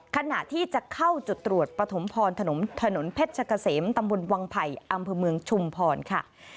ขณะที่จะเข้าจุดตรวจปฐมพรถนนเพชรกะเสมตำบลวังไผ่อำเภอเมืองชุมพรค่ะ